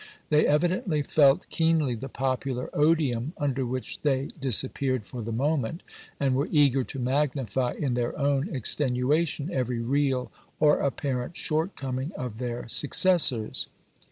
They evidently felt keenly the popular odium under which they disappeared for the moment, and were eager to magnify in their own extenuation every real or apparent shortcoming of their successors.